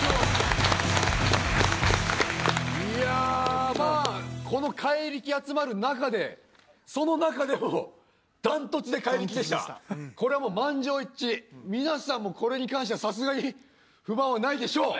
いやーまあこの怪力集まる中でその中でもダントツで怪力でしたこれはもう満場一致皆さんもこれに関してはさすがに不満はないでしょう！